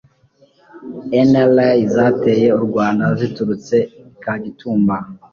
NRA zateye u Rwanda ziturutse i Kagitumba